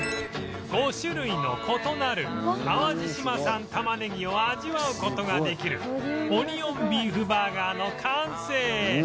５種類の異なる淡路島産たまねぎを味わう事ができるオニオンビーフバーガーの完成